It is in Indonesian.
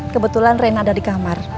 kebetulan rena ada di kamar